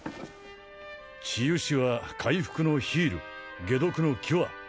治癒士は回復のヒール解毒のキュア